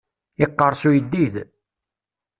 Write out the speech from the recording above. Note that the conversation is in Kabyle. Iqqerṣ uyeddid.